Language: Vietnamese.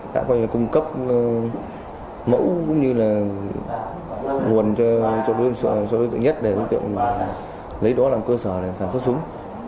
đã có thể cung cấp mẫu cũng như là nguồn cho đối tượng nhất để lấy đó làm cơ sở để sản xuất súng